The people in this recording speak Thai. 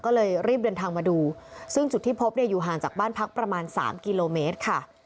ก็เลยรีบเดินทางมาดูซึ่งจุดที่พบเนี่ยอยู่ห่างจากบ้านพักประมาณ๓กิโลเมตรค่ะ